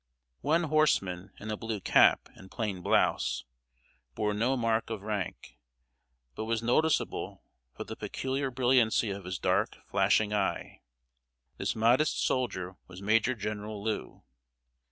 One horseman, in a blue cap and plain blouse, bore no mark of rank, but was noticeable for the peculiar brilliancy of his dark, flashing eye. This modest soldier was Major General Lew.